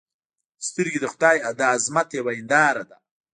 سترګې د خدای د عظمت یوه هنداره ده